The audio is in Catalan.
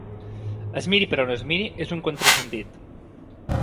Es miri per on es miri, és un contrasentit.